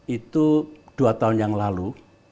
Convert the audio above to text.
itu dua tahun yang lalu